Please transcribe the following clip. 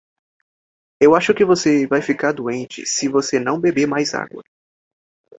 Eu acho que você vai ficar doente se você não beber mais água.